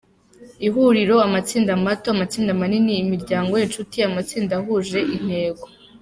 Ihuriro – Amatsinda mato, Amatsinda manini, Imiryango, Inshuti, Amatsinda ahuje intego.